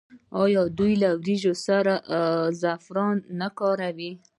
آیا دوی له وریجو سره زعفران نه کاروي؟